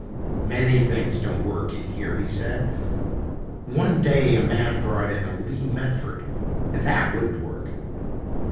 "Many things don't work in here," he said, "One day a man brought in a Lee Metford, and that wouldn't work."